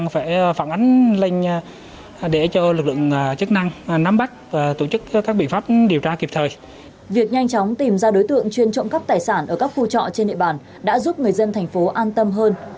việc nhanh chóng tìm ra đối tượng chuyên trộm cắp tài sản ở các khu trọ trên địa bàn đã giúp người dân thành phố an tâm hơn